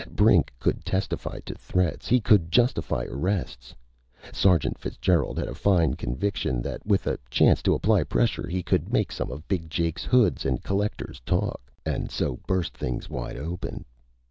Brink could testify to threats. He could justify arrests. Sergeant Fitzgerald had a fine conviction that with a chance to apply pressure, he could make some of Big Jake's hoods and collectors talk, and so bust things wide open.